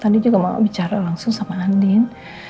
tadi juga bicara langsung sama andin